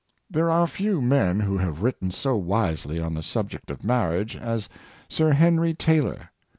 There are few men who have written so wisely on the subject of marriage as Sir Henry Taylor.